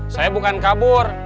saya bukan kabur